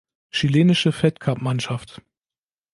Chilenische Fed-Cup-Mannschaft